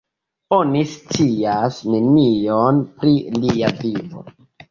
Oni scias nenion pri lia vivo.